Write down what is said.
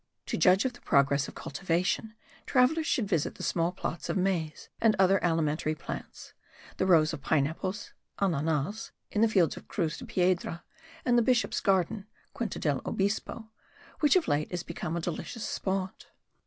To judge of the progress of cultivation travellers should visit the small plots of maize and other alimentary plants, the rows of pine apples (ananas) in the fields of Cruz de Piedra and the bishop's garden (Quinta del Obispo) which of late is become a delicious spot.